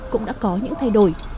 cũng đã có những thay đổi